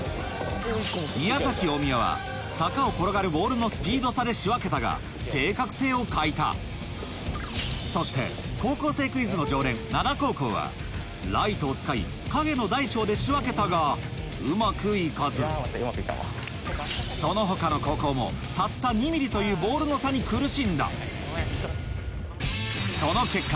宮崎大宮は坂を転がるボールのスピード差で仕分けたが正確性を欠いたそして『高校生クイズ』の常連灘高校はライトを使い影の大小で仕分けたがうまく行かずその他の高校もたった２ｍｍというボールの差に苦しんだその結果